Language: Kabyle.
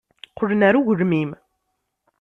Qqlen ɣer ugelmim.